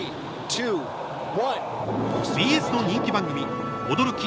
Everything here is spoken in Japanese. ＢＳの人気番組「驚き！